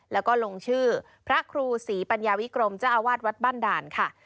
แล้วก็ลงชื่อพระครูศรีปัญญาวิกรมเจ้าอาวาสวัดบ้านด่านค่ะ